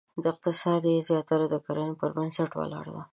اقتصاد یې زیاتره د کرنې پر بنسټ ولاړ دی.